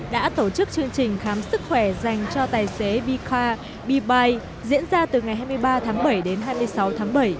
đã tổ chức chương trình khám sức khỏe dành cho tài xế b car b bike diễn ra từ ngày hai mươi ba tháng bảy đến hai mươi sáu tháng bảy